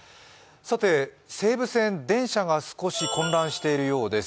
西武線、電車が少し混乱しているようです。